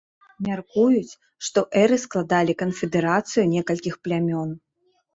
Мяркуюць, што эры складалі канфедэрацыю некалькіх плямён.